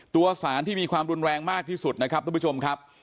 สารที่มีความรุนแรงมากที่สุดนะครับทุกผู้ชมครับ